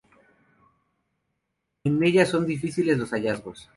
En ella son difíciles los hallazgos.